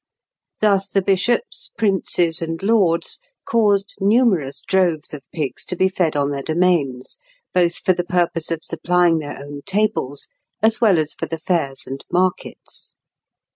Thus the bishops, princes, and lords caused numerous droves of pigs to be fed on their domains, both for the purpose of supplying their own tables as well as for the fairs and markets.